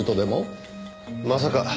まさか。